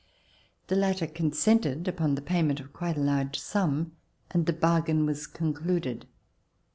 The latter consented, upon the payment of quite a large sum, and the bargain was concluded.